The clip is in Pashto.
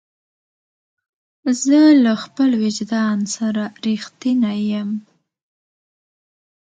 زه له خپل وجدان سره رښتینی یم.